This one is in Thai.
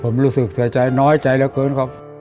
ผมรู้สึกเสียใจน้อยใจเหลือเกินครับ